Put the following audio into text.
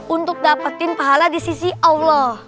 untuk dapetin pahala di sisi allah